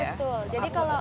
betul jadi kalau